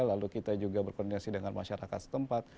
lalu kita juga berkoordinasi dengan masyarakat setempat